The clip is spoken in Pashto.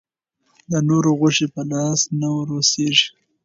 د نورو غوښې په لاس نه وررسي.